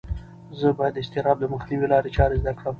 زه باید د اضطراب د مخنیوي لارې چارې زده کړم.